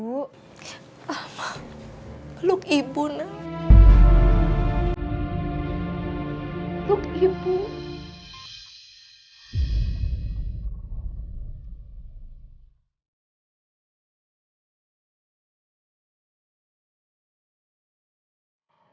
alma luk ibu nek